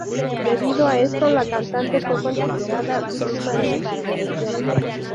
Debido a esto, la cantante fue considerada víctima de discriminación.